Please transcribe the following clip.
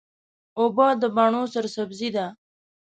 اوبه د بڼو سرسبزي ده.